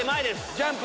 ジャンプ！